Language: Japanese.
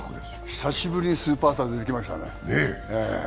久しぶりに勢いのあるスーパースターが出てきましたね。